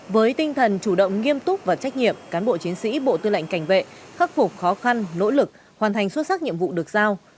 với tinh thần chủ động nghiêm túc và trách nhiệm cán bộ chiến sĩ bộ tư lệnh cảnh vệ khắc phục khó khăn nỗ lực hoàn thành xuất sắc nhiệm vụ được giao